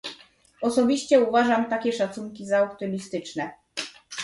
Osobiście uważam takie szacunki za optymistyczne